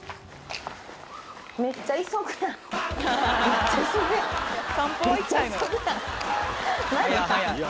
めっちゃ急ぐやん何？